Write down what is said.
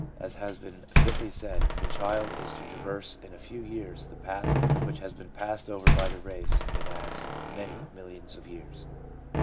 As has been fitly said, the child is to traverse in a few years the path which has been passed over by the race in as many millions of years.